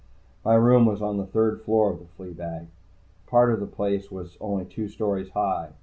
My room was on the third floor of the flea bag. Part of the place was only two stories high.